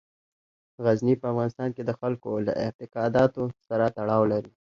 غزني په افغانستان کې د خلکو له اعتقاداتو سره تړاو لري.